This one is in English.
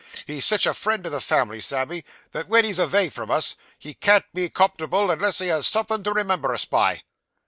He's sitch a friend o' the family, Sammy, that wen he's avay from us, he can't be comfortable unless he has somethin' to remember us by.